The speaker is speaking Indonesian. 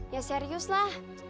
ya serius lah